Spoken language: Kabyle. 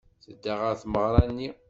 Tedda ɣer tmeɣra-nni.